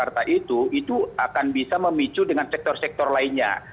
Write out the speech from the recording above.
saya berharap bahwa penyerapan anggaran dki jakarta itu akan bisa memicu dengan sektor sektor lainnya